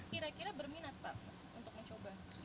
kira kira berminat pak untuk mencoba